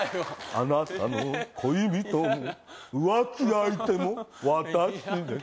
あなたの恋人も浮気相手も私です